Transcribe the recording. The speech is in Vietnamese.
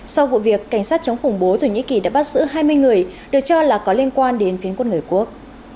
sau vụ việc cảnh sát chống khủng bố thổ nhĩ kỳ đã bắt giữ hai mươi người được cho là có liên quan đến phiến quân người quốc